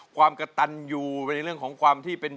ความกระตันอยู่ในเรื่องของความที่เป็น